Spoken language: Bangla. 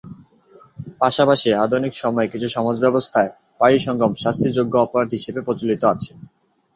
পাশাপাশি, আধুনিক সময়ে কিছু সমাজব্যবস্থায় পায়ুসঙ্গম শাস্তিযোগ্য অপরাধ হিসেবে প্রচলিত আছে।